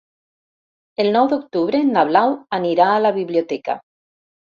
El nou d'octubre na Blau anirà a la biblioteca.